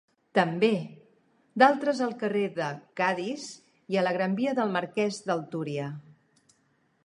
També, d'altres al carrer de Cadis i a la Gran via del Marqués del Túria.